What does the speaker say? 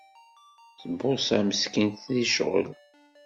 Tbuṣa meskint di ccɣel.